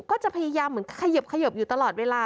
ก็จะพยายามเหมือนขยบอยู่ตลอดเวลา